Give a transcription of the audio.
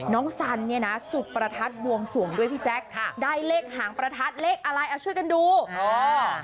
สันเนี่ยนะจุดประทัดบวงสวงด้วยพี่แจ๊คค่ะได้เลขหางประทัดเลขอะไรอ่ะช่วยกันดูอ๋อ